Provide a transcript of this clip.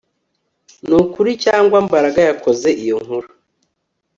Nukuri cyangwa Mbaraga yakoze iyo nkuru